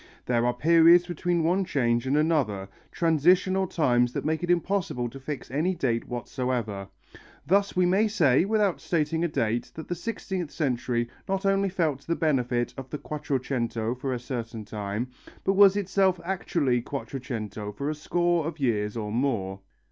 There are periods between one change and another, transitional times that make it impossible to fix any date whatsoever. Thus we may say, without stating a date, that the sixteenth century not only felt the benefit of the Quattrocento for a certain time, but was itself actually Quattrocento for a score of years or more.